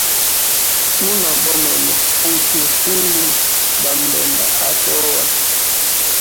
Tuna bomene, hutu tuli ba mbemba atoa.